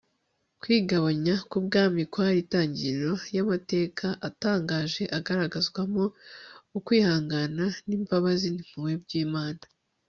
kwigabanya k'ubwami kwari intangiriro y'amateka atangaje agaragazwamo ukwihangana n'imbabazi n'impuhwe by'imana